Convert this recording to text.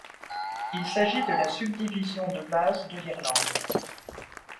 Il s'agit de la subdivision de base de l'Irlande.